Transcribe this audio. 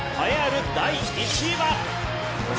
栄えある第１位は？